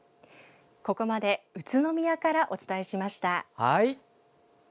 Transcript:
ここまで宇都宮からお伝えしました。